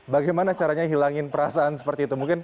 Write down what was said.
bagaimana caranya hilangin perasaan seperti itu